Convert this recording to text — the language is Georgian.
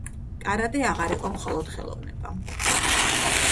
კარატე აღარ იყო მხოლოდ ხელოვნება.